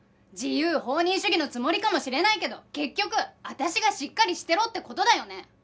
自由放任主義のつもりかもしれないけど結局私がしっかりしてろって事だよね？